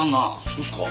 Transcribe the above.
そうすか？